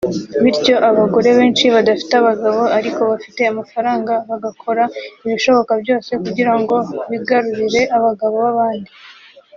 bityo abagore benshi badafite abagabo ariko bafite amafaranga bagakora ibishoboka byose kugira ngo bigarurire abagabo babandi